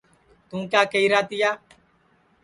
توں کیا کئیرا تیا